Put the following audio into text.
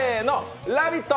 「ラヴィット！」